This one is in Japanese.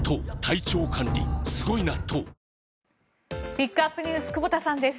ピックアップＮＥＷＳ久保田さんです。